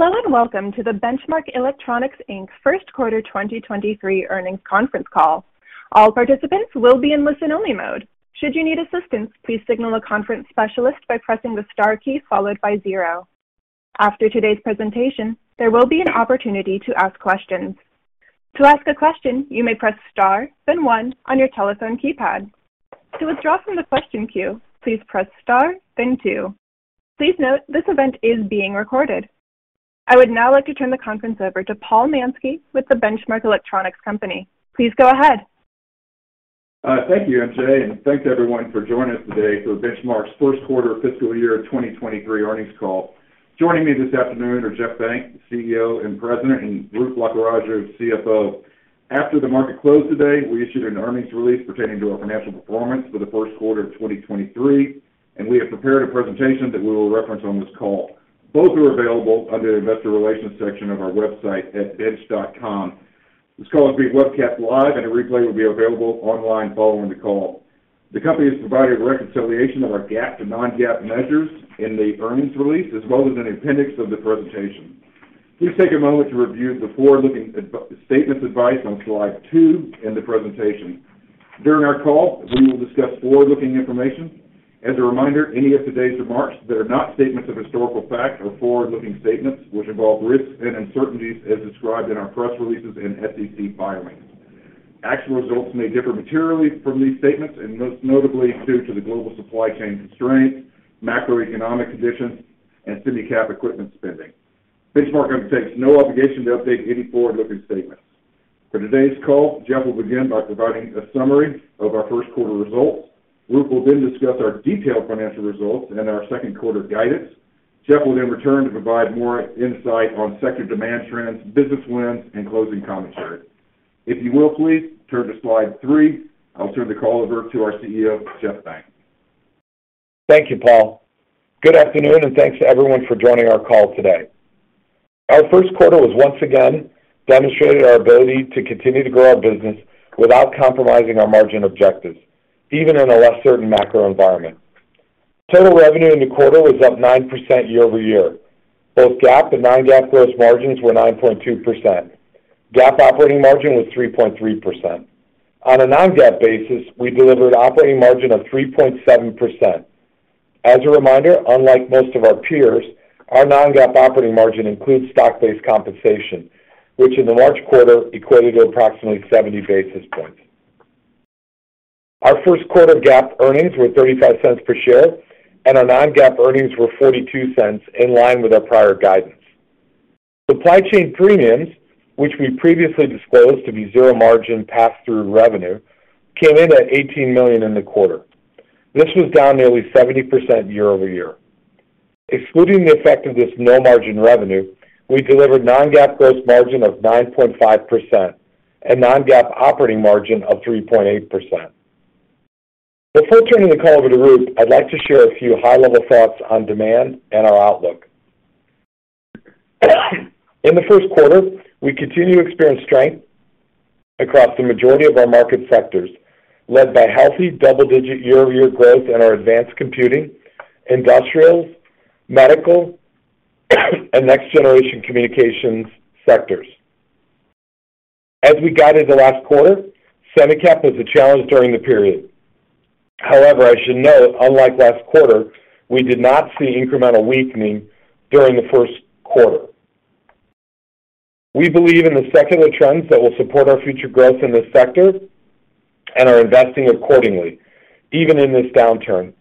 Hello, welcome to the Benchmark Electronics Inc. Q1 2023 earnings conference call. All participants will be in listen-only mode. Should you need assistance, please signal a conference specialist by pressing the star key followed by zero. After today's presentation, there will be an opportunity to ask questions. To ask a question, you may press star then one on your telephone keypad. To withdraw from the question queue, please press star then two Please note this event is being recorded. I would now like to turn the conference over to Paul Mansky with the Benchmark Electronics company. Please go ahead. Thank you, MJ. Thanks everyone for joining us today for Benchmark's Q1 fiscal year 2023 earnings call. Joining me this afternoon are Jeff Benck, CEO and President, and Roop Lakkaraju, CFO. After the market closed today, we issued an earnings release pertaining to our financial performance for the Q1 of 2023. We have prepared a presentation that we will reference on this call. Both are available under the Investor Relations section of our website at bench.com. This call is being webcast live. A replay will be available online following the call. The company has provided a reconciliation of our GAAP to non-GAAP measures in the earnings release, as well as an appendix of the presentation. Please take a moment to review the forward-looking statements advice on slide 2 in the presentation. During our call, we will discuss forward-looking information. As a reminder, any of today's remarks that are not statements of historical fact are forward-looking statements which involve risks and uncertainties as described in our press releases and SEC filings. Actual results may differ materially from these statements and most notably due to the global supply chain constraints, macroeconomic conditions, and semi-cap equipment spending. Benchmark undertakes no obligation to update any forward-looking statements. For today's call, Jeff will begin by providing a summary of our Q1 results. Roop will discuss our detailed financial results and our Q2 guidance. Jeff will return to provide more insight on sector demand trends, business wins, and closing commentary. If you will, please turn to slide three. I'll turn the call over to our CEO, Jeff Benck. Thank you, Paul. Good afternoon, thanks to everyone for joining our call today. Our Q1 was once again demonstrating our ability to continue to grow our business without compromising our margin objectives, even in a less certain macro environment. Total revenue in the quarter was up 9% year-over-year. Both GAAP and non-GAAP gross margins were 9.2%. GAAP operating margin was 3.3%. On a non-GAAP basis, we delivered operating margin of 3.7%. As a reminder, unlike most of our peers, our non-GAAP operating margin includes stock-based compensation, which in the March quarter equated to approximately 70 basis points. Our Q1 GAAP earnings were $0.35 per share, and our non-GAAP earnings were $0.42, in line with our prior guidance. Supply chain premiums, which we previously disclosed to be zero margin pass-through revenue, came in at $18 million in the quarter. This was down nearly 70% year-over-year. Excluding the effect of this no margin revenue, we delivered non-GAAP gross margin of 9.5% and non-GAAP operating margin of 3.8%. Before turning the call over to Roop, I'd like to share a few high-level thoughts on demand and our outlook. In the Q1, we continue to experience strength across the majority of our market sectors, led by healthy double-digit year-over-year growth in our advanced computing, industrials, medical and next generation communications sectors. As we guided the last quarter, Semi-Cap was a challenge during the period. I should note, unlike last quarter, we did not see incremental weakening during the Q1. We believe in the secular trends that will support our future growth in this sector and are investing accordingly, even in this downturn.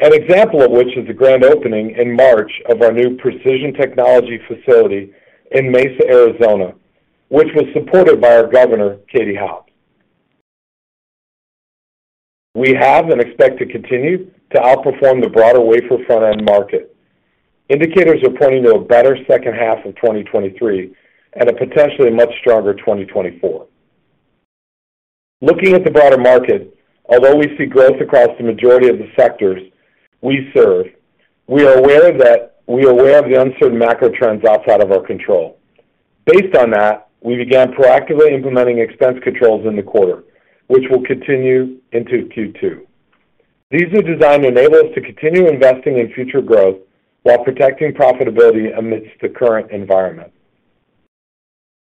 An example of which is the grand opening in March of our new precision technology facility in Mesa, Arizona, which was supported by our Governor, Katie Hobbs. We have and expect to continue to outperform the broader wafer front-end market. Indicators are pointing to a better second half of 2023 and a potentially much stronger 2024. Looking at the broader market, although we see growth across the majority of the sectors we serve, we are aware of the uncertain macro trends outside of our control. Based on that, we began proactively implementing expense controls in the quarter, which will continue into Q2. These are designed to enable us to continue investing in future growth while protecting profitability amidst the current environment.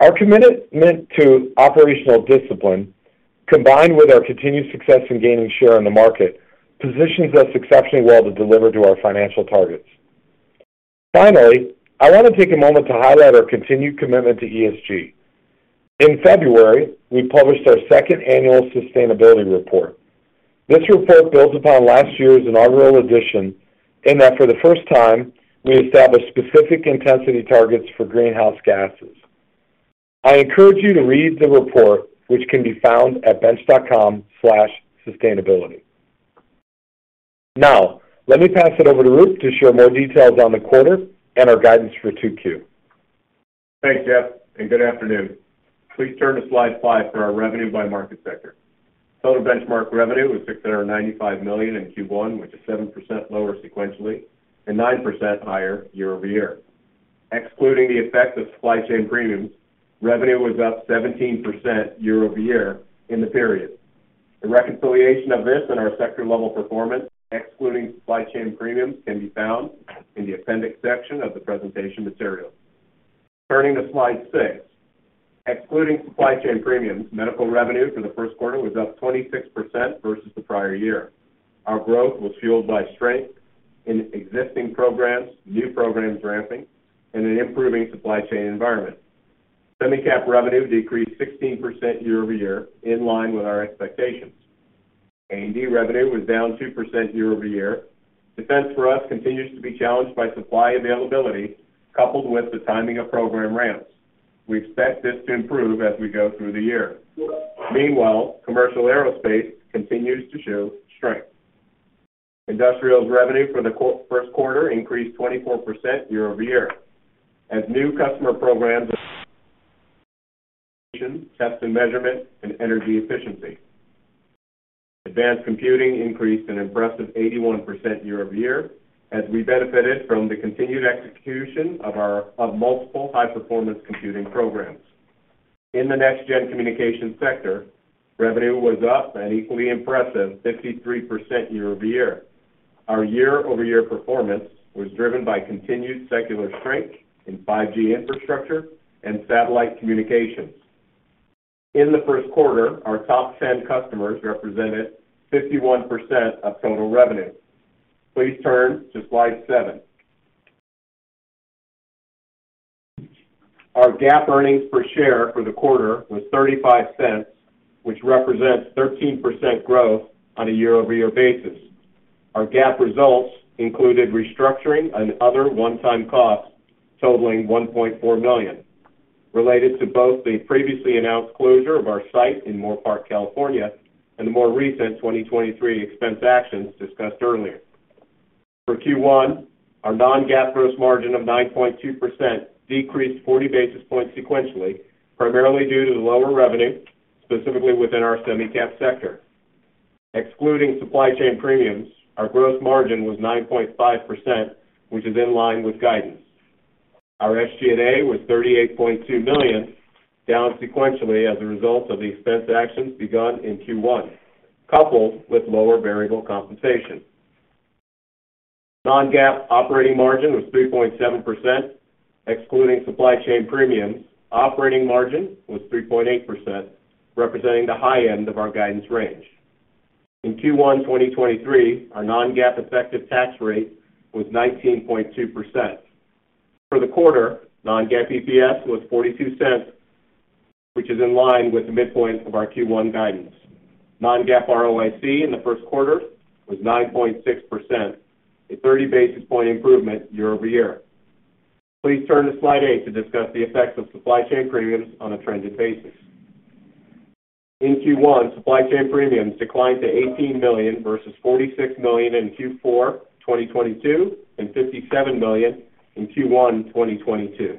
Our commitment to operational discipline, combined with our continued success in gaining share in the market, positions us exceptionally well to deliver to our financial targets. Finally, I wanna take a moment to highlight our continued commitment to ESG. In February, we published our second annual sustainability report. This report builds upon last year's inaugural edition in that for the first time, we established specific intensity targets for greenhouse gases. I encourage you to read the report, which can be found at bench.com/sustainability. Now, let me pass it over to Roop to share more details on the quarter and our guidance for 2Q. Thanks, Jeff. Good afternoon. Please turn to slide five for our revenue by market sector. Total Benchmark revenue was $695 million in Q1, which is 7% lower sequentially and 9% higher year-over-year. Excluding the effect of supply chain premiums, revenue was up 17% year-over-year in the period. The reconciliation of this in our sector level performance, excluding supply chain premiums, can be found in the appendix section of the presentation material. Turning to slide 6. Excluding supply chain premiums, medical revenue for the Q1 was up 26% versus the prior year. Our growth was fueled by strength in existing programs, new programs ramping, and an improving supply chain environment. Semi-Cap revenue decreased 16% year-over-year, in line with our expectations. A&D revenue was down 2% year-over-year. Defense for us continues to be challenged by supply availability, coupled with the timing of program ramps. We expect this to improve as we go through the year. Commercial aerospace continues to show strength. Industrials revenue for the Q1 increased 24% year-over-year as new customer programs test and measurement and energy efficiency. Advanced computing increased an impressive 81% year-over-year as we benefited from the continued execution of multiple high-performance computing programs. In the next-gen communications sector, revenue was up an equally impressive 53% year-over-year. Our year-over-year performance was driven by continued secular strength in 5G infrastructure and satellite communications. In the Q1, our top 10 customers represented 51% of total revenue. Please turn to slide seven. Our GAAP earnings per share for the quarter was $0.35, which represents 13% growth on a year-over-year basis. Our GAAP results included restructuring and other one-time costs totaling $1.4 million, related to both the previously announced closure of our site in Moorpark, California, and the more recent 2023 expense actions discussed earlier. For Q1, our non-GAAP gross margin of 9.2% decreased 40 basis points sequentially, primarily due to the lower revenue, specifically within our Semi-Cap sector. Excluding supply chain premiums, our gross margin was 9.5%, which is in line with guidance. Our SG&A was $38.2 million, down sequentially as a result of the expense actions begun in Q1, coupled with lower variable compensation. Non-GAAP operating margin was 3.7%. Excluding supply chain premiums, operating margin was 3.8%, representing the high end of our guidance range. In Q1 2023, our non-GAAP effective tax rate was 19.2%. For the quarter, non-GAAP EPS was $0.42, which is in line with the midpoint of our Q1 guidance. Non-GAAP ROIC in the Q1 was 9.6%, a 30 basis point improvement year-over-year. Please turn to slide eight to discuss the effects of supply chain premiums on a trended basis. In Q1, supply chain premiums declined to $18 million versus $46 million in Q4 2022 and $57 million in Q1 2022.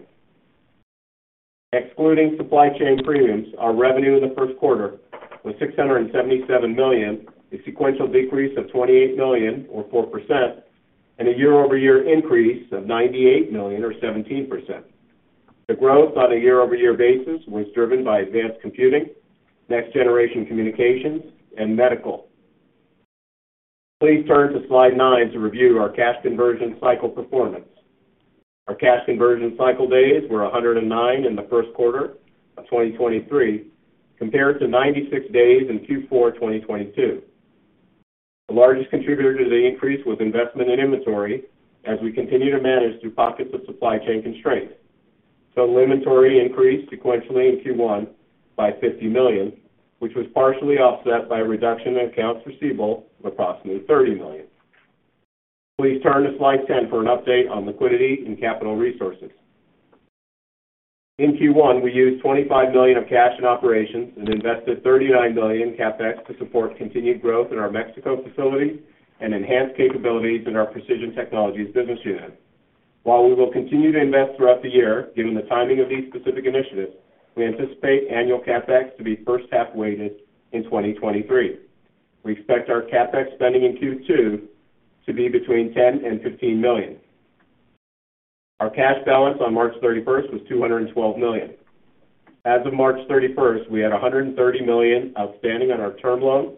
Excluding supply chain premiums, our revenue in the Q1 was $677 million, a sequential decrease of $28 million or 4%, and a year-over-year increase of $98 million or 17%. The growth on a year-over-year basis was driven by advanced computing, next generation communications, and medical. Please turn to slide nine to review our cash conversion cycle performance. Our cash conversion cycle days were 109 in the Q1 of 2023, compared to 96 days in Q4 2022. The largest contributor to the increase was investment in inventory as we continue to manage through pockets of supply chain constraints. Total inventory increased sequentially in Q1 by $50 million, which was partially offset by a reduction in accounts receivable of approximately $30 million. Please turn to slide 10 for an update on liquidity and capital resources. In Q1, we used $25 million of cash in operations and invested $39 million in CapEx to support continued growth in our Mexico facility and enhance capabilities in our Precision Technologies business unit. While we will continue to invest throughout the year, given the timing of these specific initiatives, we anticipate annual CapEx to be first half weighted in 2023. We expect our CapEx spending in Q2 to be between $10 million-$15 million. Our cash balance on March 31st was $212 million. As of March 31st, we had $130 million outstanding on our term loan,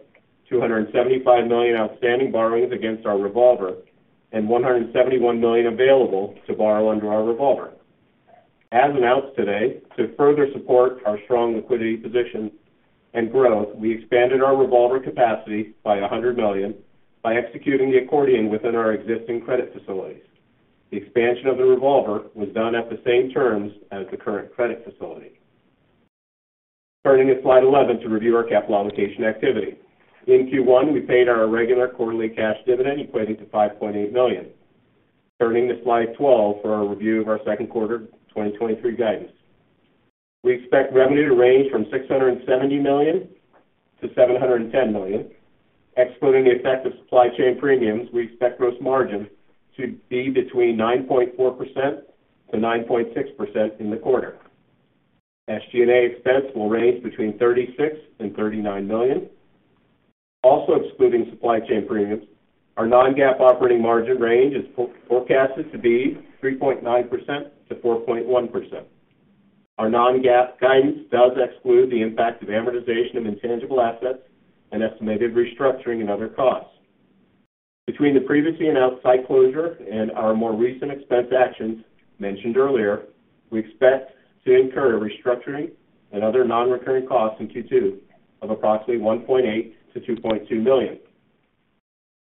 $275 million outstanding borrowings against our revolver, and $171 million available to borrow under our revolver. As announced today, to further support our strong liquidity position and growth, we expanded our revolver capacity by $100 million by executing the accordion within our existing credit facilities. The expansion of the revolver was done at the same terms as the current credit facility. Turning to slide 11 to review our capital allocation activity. In Q1, we paid our regular quarterly cash dividend equating to $5.8 million. Turning to slide 12 for our review of our Q2 2023 guidance. We expect revenue to range from $670 million-$710 million. Excluding the effect of supply chain premiums, we expect gross margin to be between 9.4% and 9.6% in the quarter. SG&A expense will range between $36 million and $39 million. Excluding supply chain premiums, our non-GAAP operating margin range is forecasted to be 3.9% to 4.1%. Our non-GAAP guidance does exclude the impact of amortization of intangible assets and estimated restructuring and other costs. Between the previously announced site closure and our more recent expense actions mentioned earlier, we expect to incur restructuring and other non-recurring costs in Q2 of approximately $1.8 million to $2.2 million.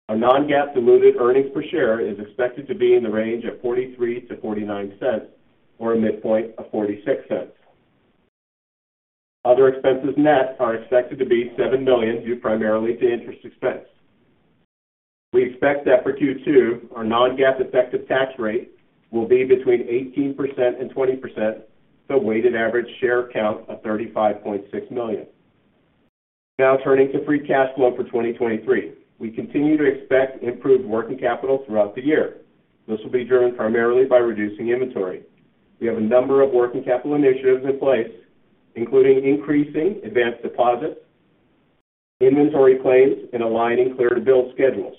Our non-GAAP diluted earnings per share is expected to be in the range of $0.43 to $0.49, or a midpoint of $0.46. Other expenses net are expected to be $7 million, due primarily to interest expense. We expect that for Q2, our non-GAAP effective tax rate will be between 18% and 20%, with a weighted average share count of 35.6 million. Turning to free cash flow for 2023. We continue to expect improved working capital throughout the year. This will be driven primarily by reducing inventory. We have a number of working capital initiatives in place, including increasing advance deposits, inventory claims, and aligning clear to build schedules.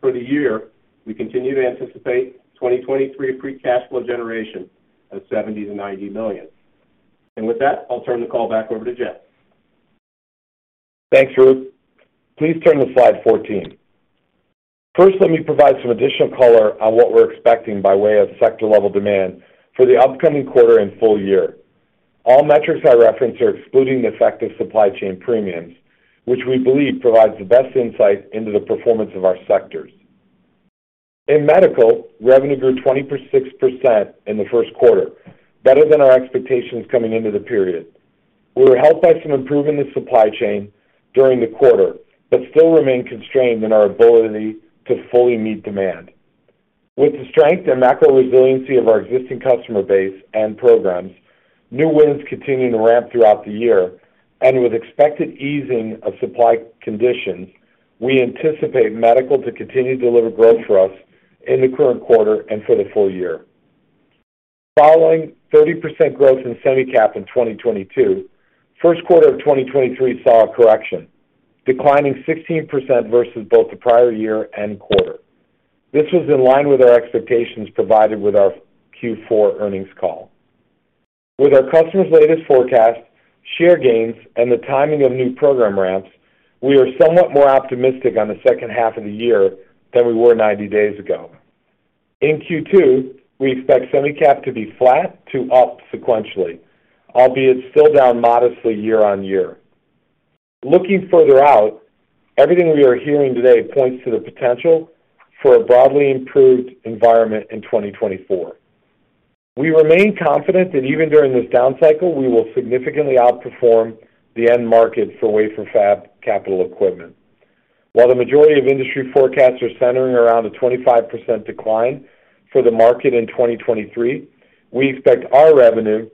For the year, we continue to anticipate 2023 free cash flow generation of $70 million to $90 million. With that, I'll turn the call back over to Jeff. Thanks, Roop. Please turn to slide 14. First, let me provide some additional color on what we're expecting by way of sector-level demand for the upcoming quarter and full year. All metrics I reference are excluding the effect of supply chain premiums, which we believe provides the best insight into the performance of our sectors. In medical, revenue grew 26% in the Q1, better than our expectations coming into the period. We were helped by some improvement in the supply chain during the quarter. Still remain constrained in our ability to fully meet demand. With the strength and macro resiliency of our existing customer base and programs, new wins continuing to ramp throughout the year. With expected easing of supply conditions, we anticipate medical to continue to deliver growth for us in the current quarter and for the full year. Following 30% growth in Semi-Cap in 2022, Q1 of 2023 saw a correction, declining 16% versus both the prior year and quarter. This was in line with our expectations provided with our Q4 earnings call. With our customers' latest forecast, share gains, and the timing of new program ramps, we are somewhat more optimistic on the second half of the year than we were 90 days ago. In Q2, we expect Semi-Cap to be flat to up sequentially, albeit still down modestly year-on-year. Looking further out, everything we are hearing today points to the potential for a broadly improved environment in 2024. We remain confident that even during this down cycle, we will significantly outperform the end market for wafer fab capital equipment. While the majority of industry forecasts are centering around a 25% decline for the market in 2023, we expect our revenue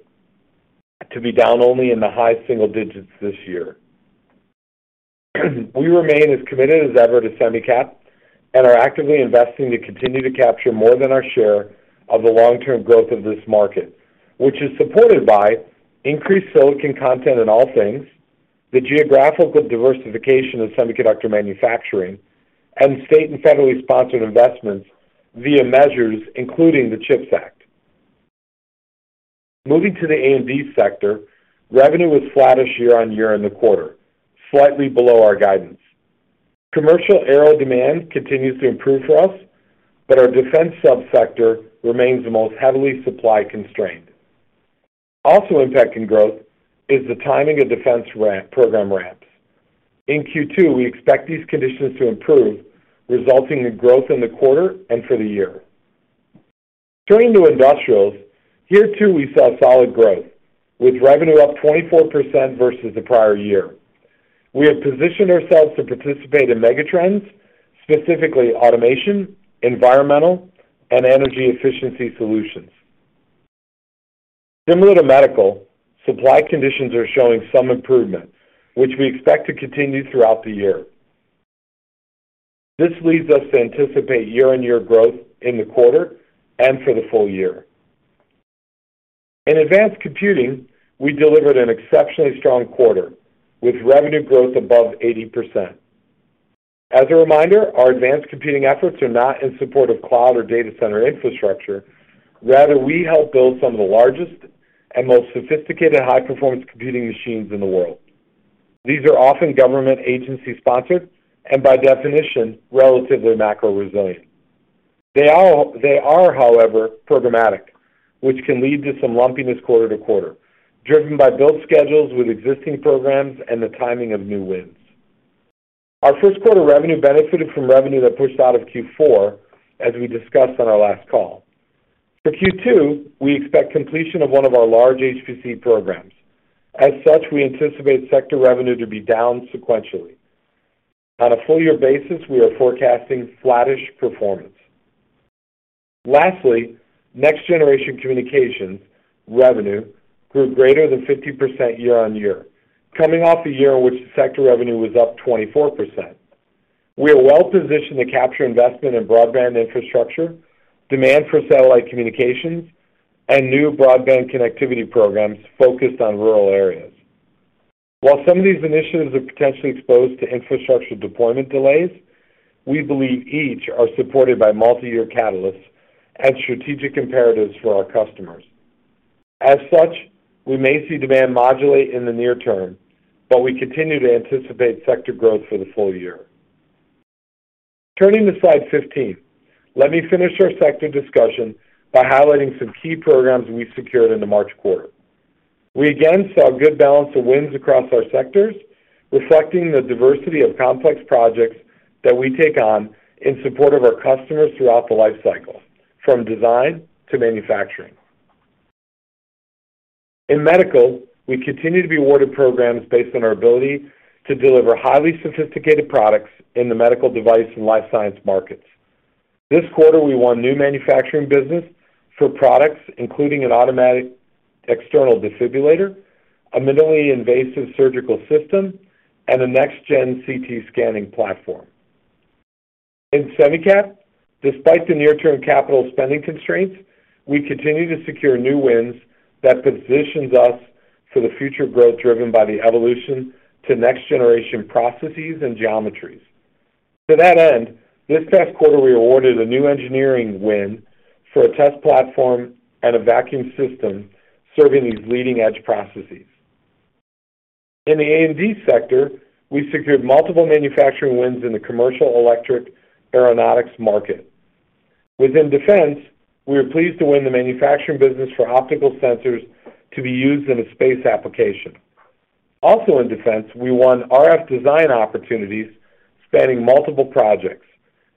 to be down only in the high single digits this year. We remain as committed as ever to Semi-Cap and are actively investing to continue to capture more than our share of the long-term growth of this market, which is supported by increased silicon content in all things, the geographical diversification of semiconductor manufacturing, and state and federally sponsored investments via measures including the CHIPS Act. Moving to the A&D sector, revenue was flattish year-on-year in the quarter, slightly below our guidance. Commercial aero demand continues to improve for us, but our defense sub-sector remains the most heavily supply constrained. Also impacting growth is the timing of defense ramp, program ramps. In Q2, we expect these conditions to improve, resulting in growth in the quarter and for the year. Turning to industrials, here too we saw solid growth, with revenue up 24% versus the prior year. We have positioned ourselves to participate in megatrends, specifically automation, environmental, and energy efficiency solutions. Similar to medical, supply conditions are showing some improvement, which we expect to continue throughout the year. This leads us to anticipate year-on-year growth in the quarter and for the full year. In advanced computing, we delivered an exceptionally strong quarter, with revenue growth above 80%. As a reminder, our advanced computing efforts are not in support of cloud or data center infrastructure. Rather, we help build some of the largest and most sophisticated high-performance computing machines in the world. These are often government agency sponsored and by definition, relatively macro resilient. They are, however, programmatic, which can lead to some lumpiness quarter-to-quarter, driven by build schedules with existing programs and the timing of new wins. Our Q1 revenue benefited from revenue that pushed out of Q4, as we discussed on our last call. For Q2, we expect completion of one of our large HPC programs. As such, we anticipate sector revenue to be down sequentially. On a full year basis, we are forecasting flattish performance. Lastly, next generation communications revenue grew greater than 50% year-on-year, coming off a year in which sector revenue was up 24%. We are well-positioned to capture investment in broadband infrastructure, demand for satellite communications, and new broadband connectivity programs focused on rural areas. While some of these initiatives are potentially exposed to infrastructure deployment delays, we believe each are supported by multi-year catalysts and strategic imperatives for our customers. As such, we may see demand modulate in the near term, but we continue to anticipate sector growth for the full year. Turning to slide 15, let me finish our sector discussion by highlighting some key programs we secured in the March quarter. We again saw a good balance of wins across our sectors, reflecting the diversity of complex projects that we take on in support of our customers throughout the life cycle, from design to manufacturing. In medical, we continue to be awarded programs based on our ability to deliver highly sophisticated products in the medical device and life science markets. This quarter, we won new manufacturing business for products, including an automatic external defibrillator, a minimally invasive surgical system, and a next-gen CT scanning platform. In SemiCap, despite the near-term capital spending constraints, we continue to secure new wins that positions us for the future growth driven by the evolution to next-generation processes and geometries. To that end, this past quarter, we awarded a new engineering win for a test platform and a vacuum system serving these leading-edge processes. In the A&D sector, we secured multiple manufacturing wins in the commercial electric aeronautics market. Within defense, we are pleased to win the manufacturing business for optical sensors to be used in a space application. Also in defense, we won RF design opportunities spanning multiple projects,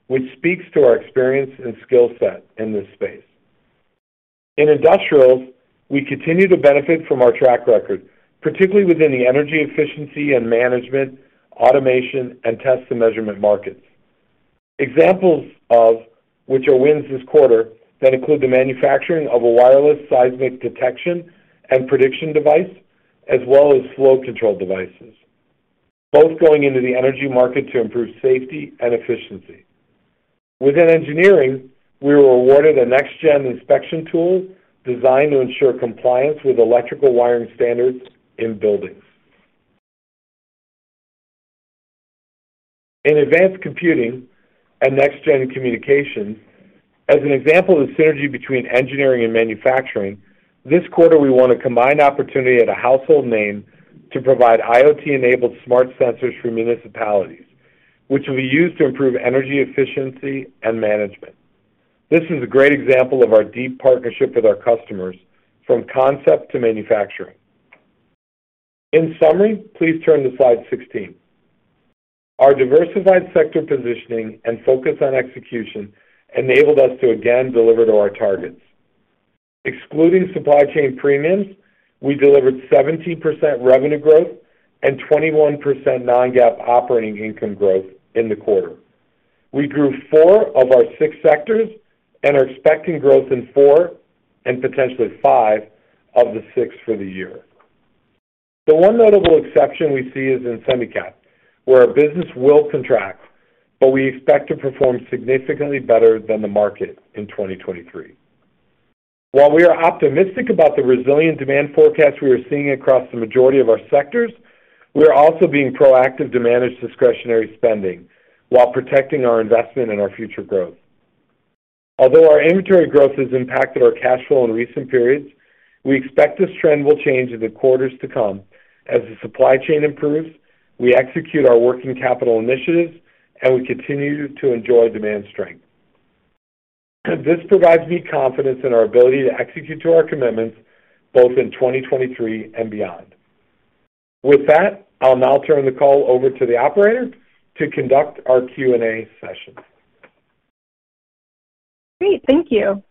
which speaks to our experience and skill set in this space. In industrials, we continue to benefit from our track record, particularly within the energy efficiency and management, automation, and test and measurement markets. Examples of which are wins this quarter that include the manufacturing of a wireless seismic detection and prediction device, as well as flow control devices, both going into the energy market to improve safety and efficiency. Within engineering, we were awarded a next-gen inspection tool designed to ensure compliance with electrical wiring standards in buildings. In advanced computing and next-gen communication, as an example of the synergy between engineering and manufacturing, this quarter, we won a combined opportunity at a household name to provide IoT-enabled smart sensors for municipalities, which will be used to improve energy efficiency and management. This is a great example of our deep partnership with our customers from concept to manufacturing. In summary, please turn to slide 16. Our diversified sector positioning and focus on execution enabled us to again deliver to our targets. Excluding supply chain premiums, we delivered 17% revenue growth and 21% non-GAAP operating income growth in the quarter. We grew 4 of our 6 sectors and are expecting growth in 4 and potentially 5 of the 6 for the year. The one notable exception we see is in SemiCap, where our business will contract, but we expect to perform significantly better than the market in 2023. While we are optimistic about the resilient demand forecast we are seeing across the majority of our sectors, we are also being proactive to manage discretionary spending while protecting our investment and our future growth. Although our inventory growth has impacted our cash flow in recent periods, we expect this trend will change in the quarters to come as the supply chain improves, we execute our working capital initiatives, and we continue to enjoy demand strength. This provides me confidence in our ability to execute to our commitments both in 2023 and beyond. With that, I'll now turn the call over to the operator to conduct our Q&A session. Great. Thank you.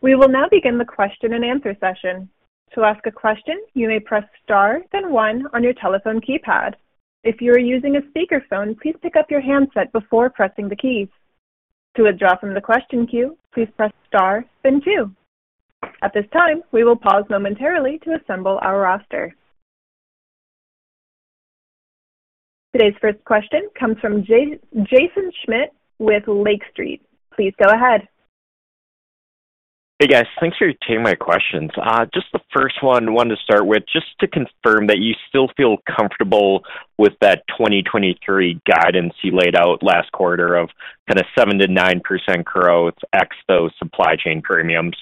We will now begin the question and answer session. To ask a question, you may press star then one on your telephone keypad. If you are using a speakerphone, please pick up your handset before pressing the keys. To withdraw from the question queue, please press star then two. At this time, we will pause momentarily to assemble our roster. Today's first question comes from Jaeson Schmidt with Lake Street. Please go ahead. Hey, guys. Thanks for taking my questions. Just the first one, wanted to start with just to confirm that you still feel comfortable with that 2023 guidance you laid out last quarter of kind of 7%-9% growth ex those supply chain premiums.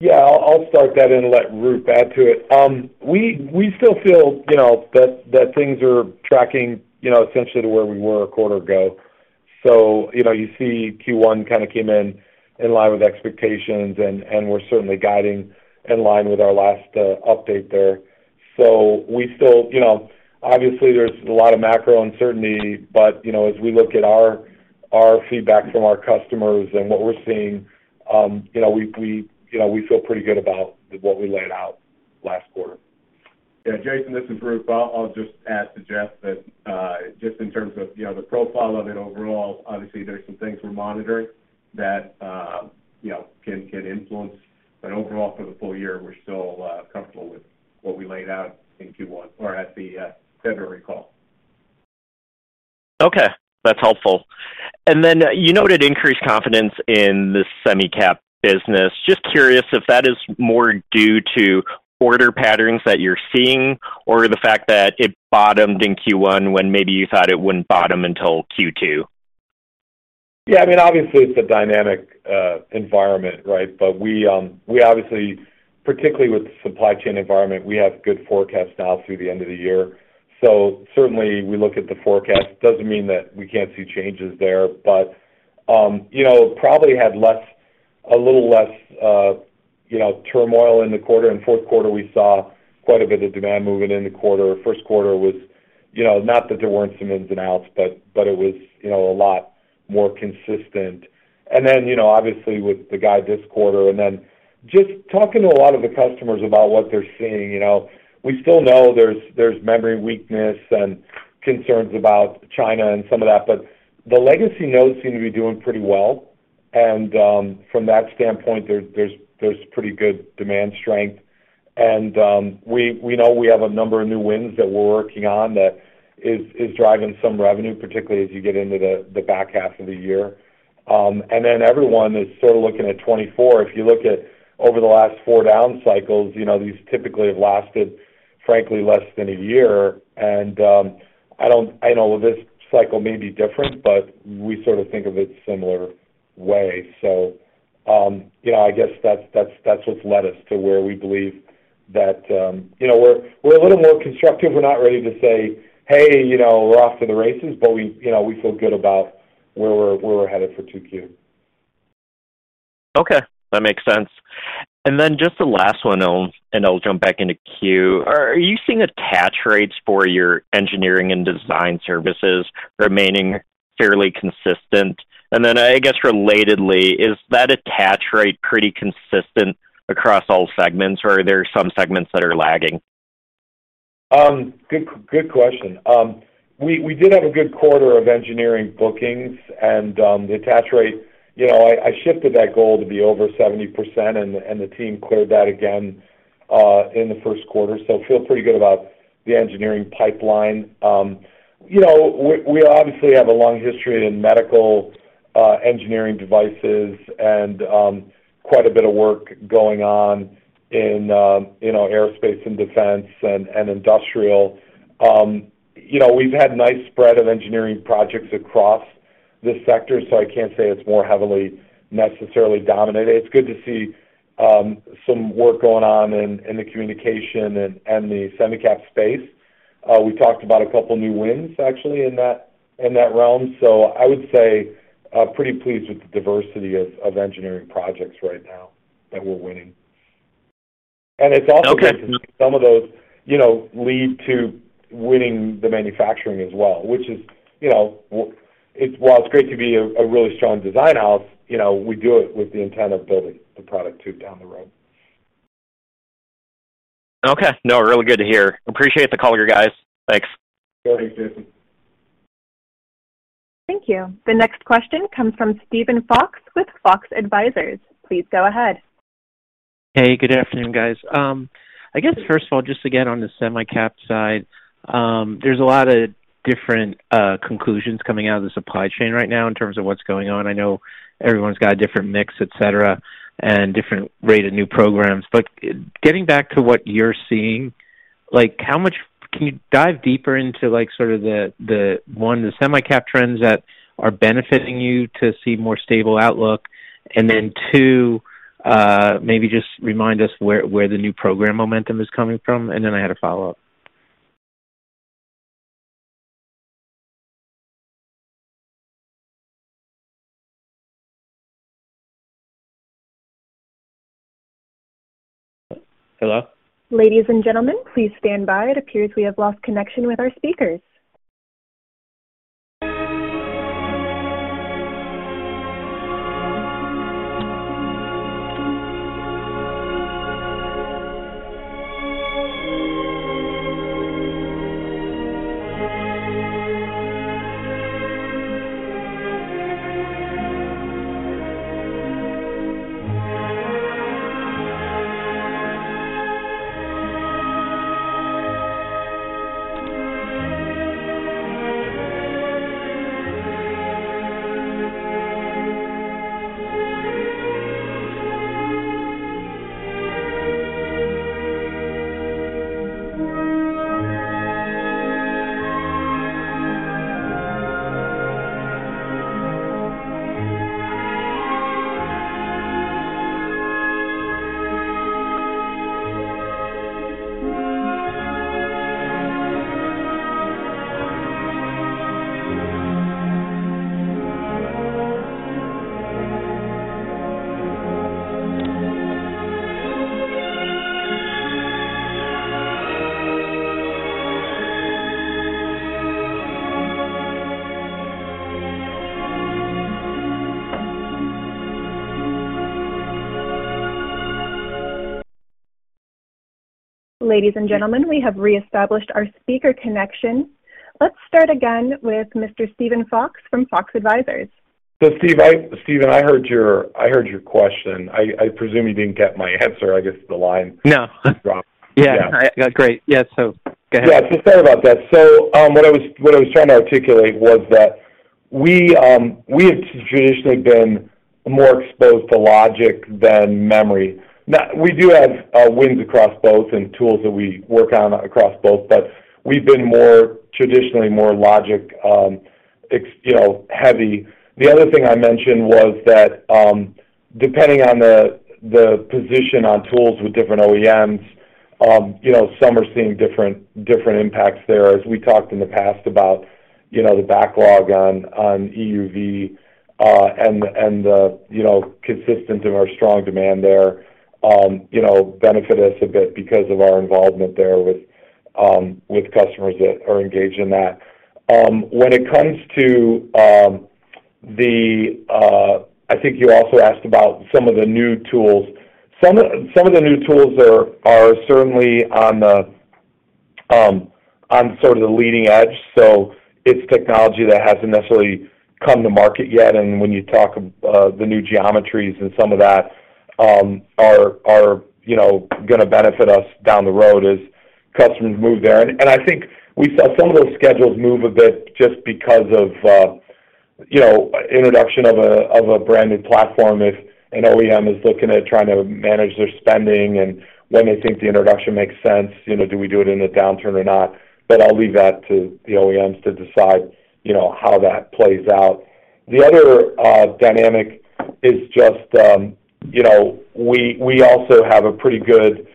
Yeah, I'll start that and let Roop add to it. We, we still feel, you know, that things are tracking, you know, essentially to where we were a quarter ago. You know, you see Q1 kind of came in line with expectations, and we're certainly guiding in line with our last update there. We still, you know, obviously, there's a lot of macro uncertainty. You know, as we look at our feedback from our customers and what we're seeing, you know, we, you know, we feel pretty good about what we laid out last quarter. Jason, this is Roop. I'll just add to Jeff that just in terms of, you know, the profile of it overall, obviously, there's some things we're monitoring that, you know, can influence. Overall, for the full year, we're still comfortable with what we laid out in Q1 or at the February call. Okay, that's helpful. You noted increased confidence in the Semi-Cap business. Just curious if that is more due to order patterns that you're seeing or the fact that it bottomed in Q1 when maybe you thought it wouldn't bottom until Q2? Obviously it's a dynamic environment, right? We obviously, particularly with the supply chain environment, we have good forecasts now through the end of the year. Certainly we look at the forecast. Doesn't mean that we can't see changes there. You know, probably had less, a little less, you know, turmoil in the quarter. In Q4, we saw quite a bit of demand moving in the quarter. Q1 was, you know, not that there weren't some ins and outs, but it was, you know, a lot more consistent. You know, obviously with the guide this quarter and then just talking to a lot of the customers about what they're seeing, you know. We still know there's memory weakness and concerns about China and some of that, but the legacy nodes seem to be doing pretty well. From that standpoint, there's pretty good demand strength. We know we have a number of new wins that we're working on that is driving some revenue, particularly as you get into the back half of the year. Everyone is sort of looking at 2024. If you look at over the last 4 down cycles, you know, these typically have lasted, frankly, less than a year. I know this cycle may be different, but we sort of think of it similar way. You know, I guess that's what's led us to where we believe that, you know, we're a little more constructive. We're not ready to say, "Hey, you know, we're off to the races," but we, you know, we feel good about where we're, where we're headed for two Q. Okay, that makes sense. Then just the last one, and I'll jump back into queue. Are you seeing attach rates for your engineering and design services remaining fairly consistent? Then I guess relatedly, is that attach rate pretty consistent across all segments, or are there some segments that are lagging? Good, good question. We did have a good quarter of engineering bookings and the attach rate, you know, I shifted that goal to be over 70% and the team cleared that again in the Q1. Feel pretty good about the engineering pipeline. You know, we obviously have a long history in medical engineering devices and quite a bit of work going on in, you know, aerospace and defense and industrial. You know, we've had nice spread of engineering projects across this sector, so I can't say it's more heavily necessarily dominated. It's good to see some work going on in the communication and the Semi-Cap space. We talked about a couple new wins actually in that realm. I would say, pretty pleased with the diversity of engineering projects right now that we're winning. And it's also- Okay. Some of those, you know, lead to winning the manufacturing as well, which is, you know, while it's great to be a really strong design house, you know, we do it with the intent of building the product too down the road. Okay. No, really good to hear. Appreciate the call, you guys. Thanks. Thanks, Jaeson. Thank you. The next question comes from Steven Fox with Fox Advisors. Please go ahead. Hey, good afternoon, guys. I guess first of all, just again on the Semi-Cap side, there's a lot of different conclusions coming out of the supply chain right now in terms of what's going on. I know everyone's got a different mix, et cetera, and different rate of new programs. Getting back to what you're seeing, like can you dive deeper into like sort of the one, the Semi-Cap trends that are benefiting you to see more stable outlook? Two, maybe just remind us where the new program momentum is coming from? I had a follow-up. Hello? Ladies and gentlemen, please stand by. It appears we have lost connection with our speakers. Ladies and gentlemen, we have reestablished our speaker connection. Let's start again with Mr. Steven Fox from Fox Advisors. Steven, I heard your question. I presume you didn't get my answer. No. was dropped. Yeah. Great. Yeah. Go ahead. Sorry about that. What I was trying to articulate was that we have traditionally been more exposed to logic than memory. Now we do have wins across both and tools that we work on across both, but we've been more traditionally more logic, you know, heavy. The other thing I mentioned was that depending on the position on tools with different OEMs, you know, some are seeing different impacts there. As we talked in the past about, you know, the backlog on EUV, and the, you know, consistent of our strong demand there, you know, benefit us a bit because of our involvement there with customers that are engaged in that. When it comes to the. I think you also asked about some of the new tools. Some of the new tools are certainly on the on sort of the leading edge, so it's technology that hasn't necessarily come to market yet. When you talk of the new geometries and some of that are, you know, gonna benefit us down the road as customers move there. I think we saw some of those schedules move a bit just because of, you know, introduction of a brand-new platform. If an OEM is looking at trying to manage their spending, and when they think the introduction makes sense, you know, do we do it in a downturn or not? I'll leave that to the OEMs to decide, you know, how that plays out. The other dynamic is just, you know, we also have a pretty good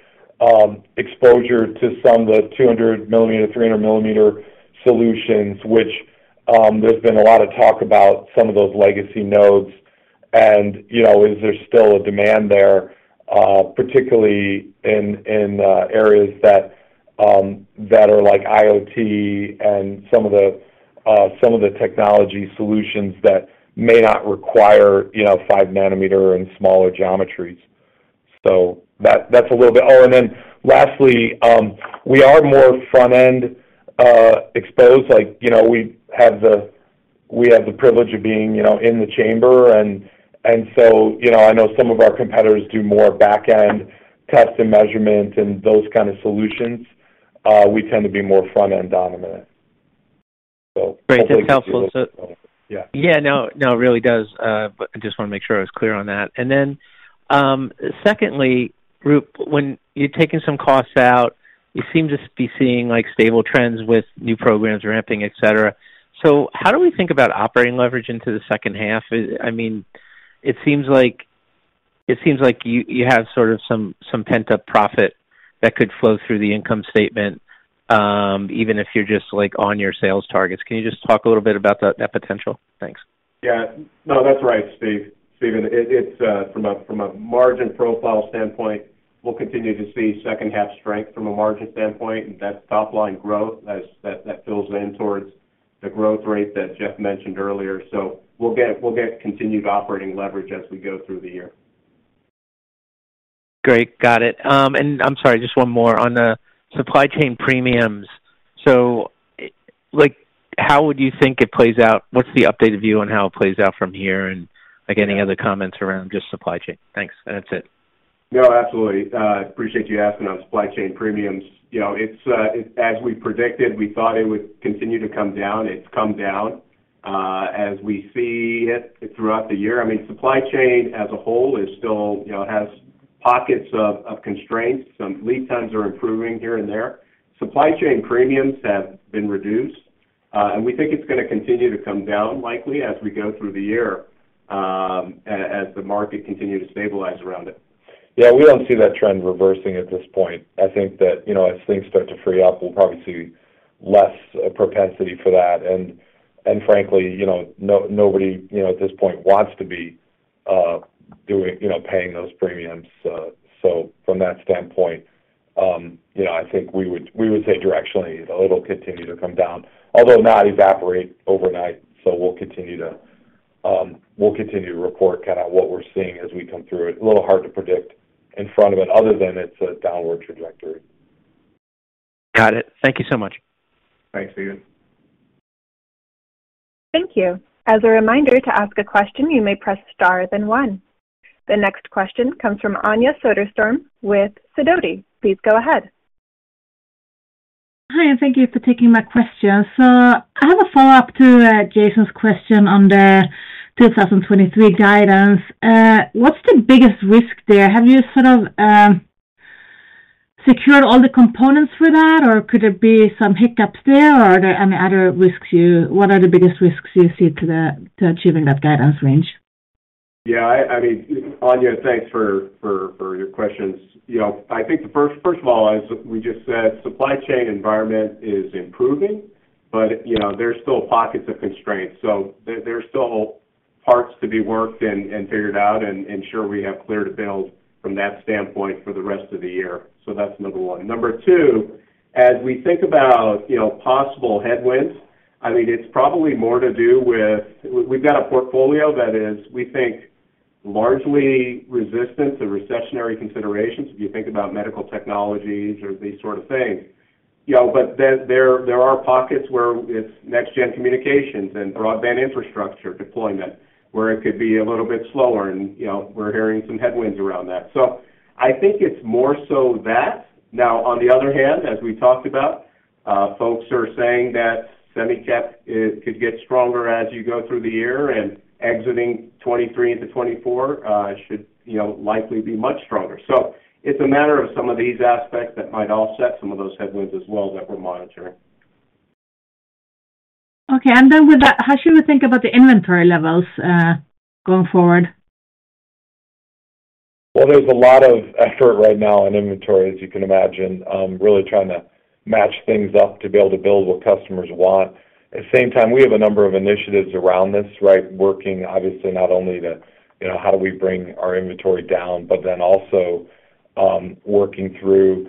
exposure to some of the 200 millimeter, 300 millimeter solutions, which there's been a lot of talk about some of those legacy nodes and, you know, is there still a demand there, particularly in areas that are like IoT and some of the some of the technology solutions that may not require, you know, 5 nanometer and smaller geometries. That's a little bit. Lastly, we are more front end exposed. Like, you know, we have the, we have the privilege of being, you know, in the chamber, and so, you know, I know some of our competitors do more back end test and measurement and those kind of solutions. We tend to be more front end dominant. Great. That's helpful. Yeah. Yeah. No, it really does. I just wanna make sure I was clear on that. Secondly, Roop, when you're taking some costs out, you seem to be seeing like stable trends with new programs ramping, et cetera. How do we think about operating leverage into the second half? I mean, it seems like you have sort of some pent-up profit that could flow through the income statement, even if you're just like on your sales targets. Can you just talk a little bit about that potential? Thanks. No, that's right, Steve. Steven. It's from a margin profile standpoint, we'll continue to see second half strength from a margin standpoint, and that's top line growth as that fills in towards the growth rate that Jeff mentioned earlier. We'll get continued operating leverage as we go through the year. Great. Got it. I'm sorry, just one more on the supply chain premiums. Like, how would you think it plays out? What's the updated view on how it plays out from here? Like any other comments around just supply chain. Thanks. That's it. No, absolutely. appreciate you asking on supply chain premiums. You know, it's as we predicted, we thought it would continue to come down. It's come down, as we see it throughout the year. I mean, supply chain as a whole is still, you know, has pockets of constraints. Some lead times are improving here and there. Supply chain premiums have been reduced, and we think it's gonna continue to come down likely as we go through the year, as the market continue to stabilize around it. We don't see that trend reversing at this point. I think that, you know, as things start to free up, we'll probably see less propensity for that. Frankly, you know, nobody, you know, at this point wants to be doing, you know, paying those premiums. From that standpoint, you know, I think we would, we would say directionally, you know, it'll continue to come down, although not evaporate overnight. We'll continue to, we'll continue to report kind of what we're seeing as we come through it. A little hard to predict in front of it other than it's a downward trajectory. Got it. Thank you so much. Thanks, Steven. Thank you. As a reminder, to ask a question, you may press Star then One. The next question comes from Anja Soderstrom with Sidoti. Please go ahead. Hi, and thank you for taking my question. I have a follow-up to Jaeson's question on the 2023 guidance. What's the biggest risk there? Have you sort of secured all the components for that, or could there be some hiccups there, or are there any other risks, what are the biggest risks you see to achieving that guidance range? Anja, thanks for your questions. You know, I think first of all, as we just said, supply chain environment is improving, but, you know, there's still pockets of constraints, so there are still parts to be worked and figured out, and ensure we have clear to build from that standpoint for the rest of the year. That's #1. #2, as we think about, you know, possible headwinds, I think it's probably more to do with. We've got a portfolio that is, we think Largely resistant to recessionary considerations, if you think about medical technologies or these sort of things. You know, there are pockets where it's next gen communications and broadband infrastructure deployment, where it could be a little bit slower and, you know, we're hearing some headwinds around that. I think it's more so that. On the other hand, as we talked about, folks are saying that Semi-Cap could get stronger as you go through the year and exiting 2023 into 2024, should, you know, likely be much stronger. It's a matter of some of these aspects that might offset some of those headwinds as well that we're monitoring. Okay. With that, how should we think about the inventory levels, going forward? Well, there's a lot of effort right now in inventory, as you can imagine, really trying to match things up to be able to build what customers want. At the same time, we have a number of initiatives around this, right? Working obviously not only to, you know, how do we bring our inventory down, but then also, working through,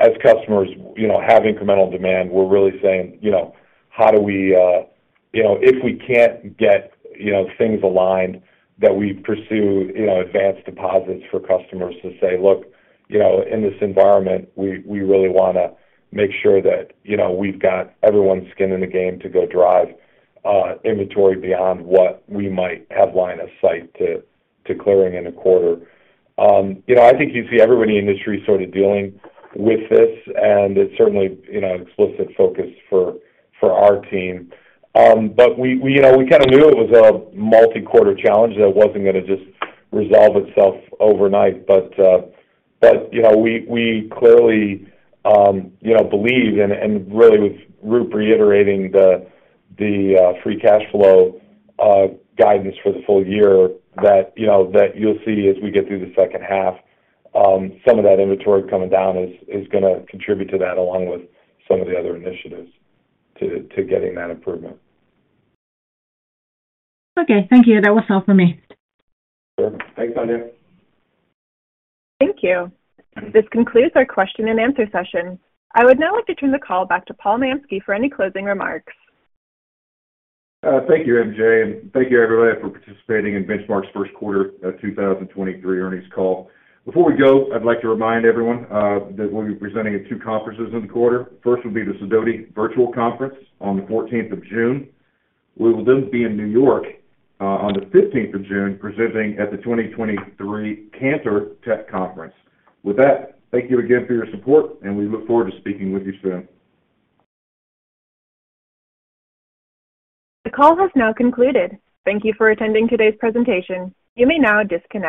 as customers, you know, have incremental demand. We're really saying, you know, how do we, you know, if we can't get, you know, things aligned that we pursue, you know, advanced deposits for customers to say, "Look, you know, in this environment we really wanna make sure that, you know, we've got everyone's skin in the game to go drive inventory beyond what we might have line of sight to clearing in a quarter." You know, I think you see everybody in the industry sort of dealing with this, and it's certainly, you know, an explicit focus for our team. We, you know, we kinda knew it was a multi-quarter challenge that wasn't gonna just resolve itself overnight. We clearly, you know, believe and really with Roop reiterating the free cash flow guidance for the full year that, you know, that you'll see as we get through the second half, some of that inventory coming down is gonna contribute to that along with some of the other initiatives to getting that improvement. Okay. Thank you. That was all for me. Sure. Thanks, Anja. Thank you. This concludes our question and answer session. I would now like to turn the call back to Paul Mansky for any closing remarks. Thank you, MJ. Thank you everybody for participating in Benchmark's Q1 of 2023 earnings call. Before we go, I'd like to remind everyone that we'll be presenting at two conferences in the quarter. First will be the Sidoti Virtual Conference on the 14th of June. We will then be in New York on the 15th of June, presenting at the 2023 Cantor Tech Conference. With that, thank you again for your support, and we look forward to speaking with you soon. The call has now concluded. Thank you for attending today's presentation. You may now disconnect.